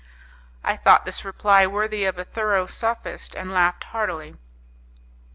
I thought this reply worthy of a thorough sophist, and laughed heartily.